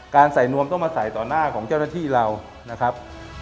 ใส่นวมต้องมาใส่ต่อหน้าของเจ้าหน้าที่เรานะครับ